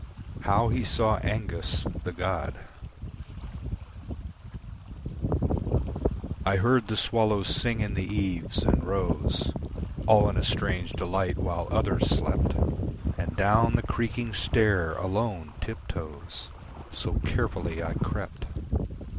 How He Saw Angus the God I heard the swallow sing in the eaves and rose All in a strange delight while others slept, And down the creaking stair, alone, tip toes, So carefully I crept.